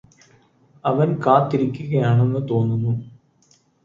അവന് കാത്തിരിക്കുകയാണെന്ന് തോന്നുന്നു